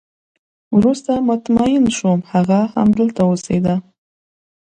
وروسته مطمئن شوم چې هغه همدلته اوسېده